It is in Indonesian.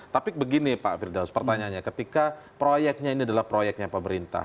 tapi begini pak firdaus pertanyaannya ketika proyeknya ini adalah proyeknya pemerintah